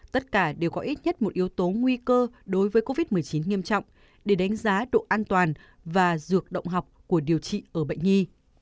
tất cả đều có ít nhất một yếu tố nguy cơ đối với covid một mươi chín nghiêm trọng để đánh giá độ an toàn và dược động học của điều trị ở bệnh nhi